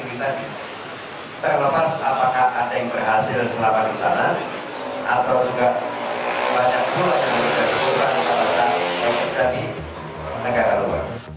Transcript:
ini tadi terlepas apakah ada yang berhasil selama di sana atau juga banyak yang sudah diperanggung karena yang terjadi di negara luar